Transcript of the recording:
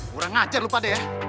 kurang ajar lo pada ya